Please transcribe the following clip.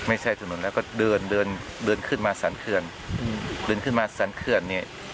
ไม่ใช่ถนนแล้วก็เดินเดินเดินขึ้นมาสรรเขื่อนเดินขึ้นมาสรรเขื่อนเนี่ย